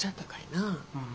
なあ？